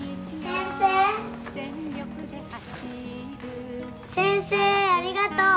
先生ありがとう。